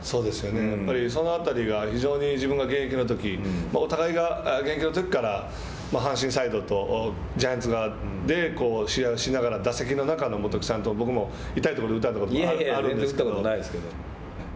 やっぱりそのあたりが自分が現役のときお互いが現役のときから阪神サイドとジャイアンツ側で試合をしながら打席の中の元木さんと僕も痛いところで打たれたこともあるんですけど。